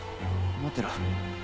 待ってろ。